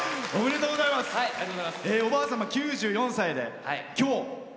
おばあ様、９４歳で。